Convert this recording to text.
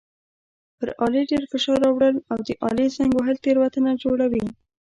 پر آلې ډېر فشار راوړل او د آلې زنګ وهل تېروتنه جوړوي.